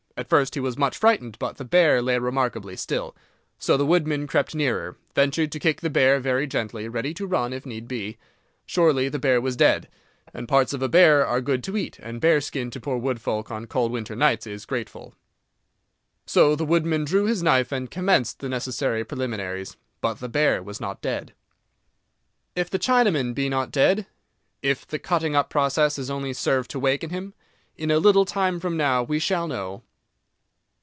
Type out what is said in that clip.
At first he was much frightened, but the bear lay remarkably still. So the woodman crept nearer, ventured to kick the bear—very gently, ready to run if need be. Surely the bear was dead! And parts of a bear are good to eat, and bearskin to poor woodfolk on cold winter nights is grateful. So the woodman drew his knife and commenced the necessary preliminaries. But the bear was not dead. If the Chinaman be not dead? If the cutting up process has only served to waken him? In a little time from now we shall know.